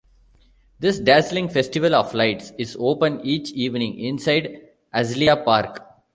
This dazzling festival of lights is open each evening inside Azalea Park.